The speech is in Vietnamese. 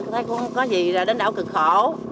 thấy cũng có gì là đến đảo cực khổ